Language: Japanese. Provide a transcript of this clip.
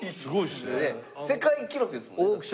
世界記録ですもんねだって。